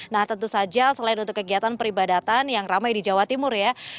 nah tentu saja selain untuk kegiatan peribadatan yang ramai di jawa timur ya